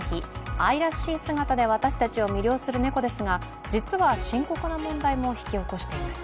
愛らしい姿で私たちを魅了する猫ですが、実は深刻な問題も引き起こしています。